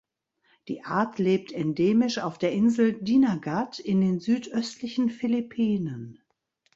Die Art lebt endemisch auf der Insel Dinagat in den südöstlichen Philippinen.